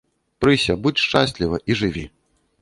Прыся, будзь шчасліва і жыві.